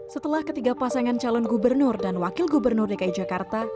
setelah ketiga pasangan calon gubernur dan wakil gubernur dki jakarta